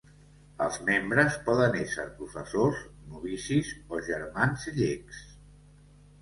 Els membres poden ésser professos, novicis o germans llecs.